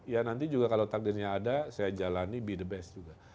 ya nanti juga kalau takdirnya ada saya jalani be the best juga